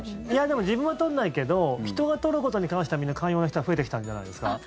でも、自分は取らないけど人が取ることに関しては寛容な人が増えてきたんじゃないですか？